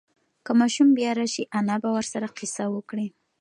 که ماشوم بیا راشي، انا به ورسره قصه وکړي.